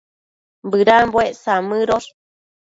Bëdambuec samëdosh